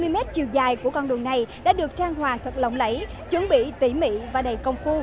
bảy trăm hai mươi mét chiều dài của con đường này đã được trang hoàng thật lỏng lẫy chuẩn bị tỉ mị và đầy công khu